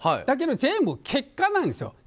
だけど全部結果なんですよ。